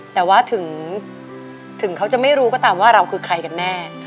แต่ว่าถึงเขาจะไม่รู้ก็ตามว่าเราคือใครกันแน่